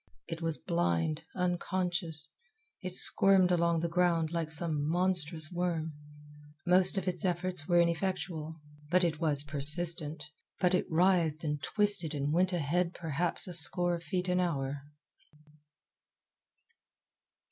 It was blind, unconscious. It squirmed along the ground like some monstrous worm. Most of its efforts were ineffectual, but it was persistent, and it writhed and twisted and went ahead perhaps a score of feet an hour.